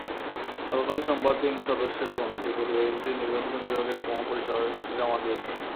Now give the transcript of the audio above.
গতকাল সোমবার তিন সদস্যের কমিটি প্রতিবেদনটি নিবন্ধন বিভাগের মহাপরিচালকের কাছে জমা দিয়েছে।